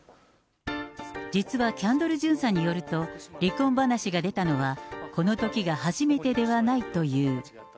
実はキャンドル・ジュンさんによると、離婚話が出たのはこのときが初めてではないという。